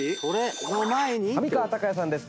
「上川隆也さんです。